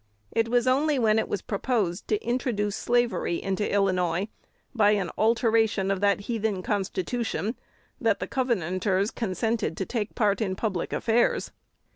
It was only when it was proposed to introduce slavery into Illinois by an alteration of that "heathen" Constitution, that the Covenanters consented to take part in public affairs.